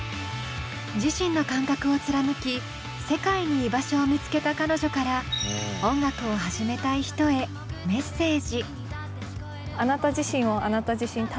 自身の感覚を貫き世界に居場所を見つけた彼女から音楽を始めたい人へメッセージ。